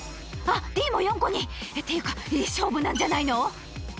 あ、Ｄも４個に！っていうかいい勝負なんじゃないの？